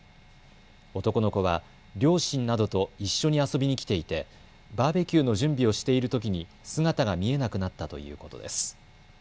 男の子は両親などと一緒に遊びに来ていてバーベキューの準備をしているときに姿が見えなくなったということです。